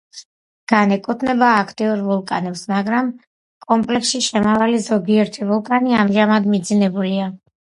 განეკუთვნება აქტიურ ვულკანებს, მაგრამ კომპლექსში შემავალი ზოგიერთი ვულკანი ამჟამად მიძინებულია.